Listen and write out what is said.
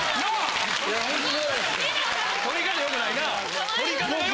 ・撮り方良くないなあ